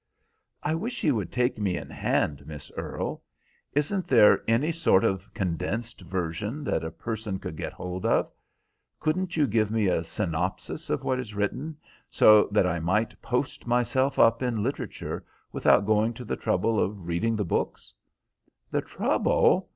"I wish you would take me in hand, Miss Earle. Isn't there any sort of condensed version that a person could get hold of? Couldn't you give me a synopsis of what is written, so that I might post myself up in literature without going to the trouble of reading the books?" "The trouble!